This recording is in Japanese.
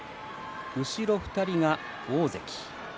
後ろ２人が大関。